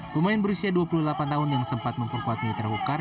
pemain berusia dua puluh delapan tahun yang sempat memperkuat mitra ukar